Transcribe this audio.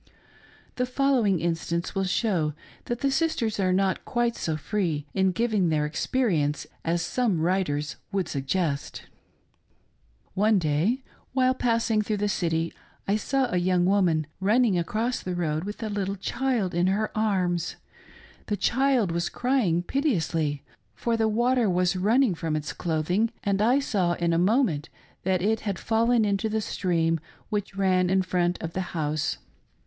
The following instance will show that the sis ters are not quite so free in giving their experience as some writers would suggest. STRANGE INTERVIEW WITH A THIRD WIFE. 259 One day, while passing through the city, I saw a young woman running across the road with a little child in her arms. The child was crying piteously, for the water was running from its clothing, and I saw in a moment that it had fallen into the stream, which ran in front of the house.